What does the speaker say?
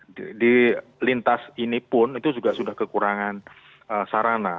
jadi di lintas ini pun itu juga sudah kekurangan sarana